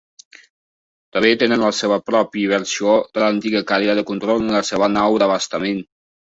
També tenen la seva pròpia versió de l'antiga cadira de control en la seva nau d'abastament.